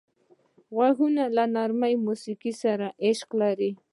غوږونه له نرمه موسیقۍ سره عشق لري